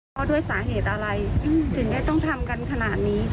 เพราะว่าชีวิตหนึ่งนี่มันมีค่าแค่นั้นเหรอ